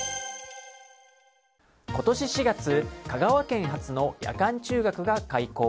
今年４月、香川県初の夜間中学が開校。